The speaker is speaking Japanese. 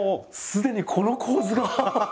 すでにこの構図がハハハ！